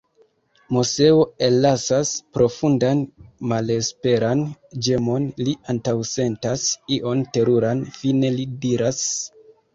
Moseo ellasas profundan malesperan ĝemon; li antaŭsentas ion teruran, fine li diras: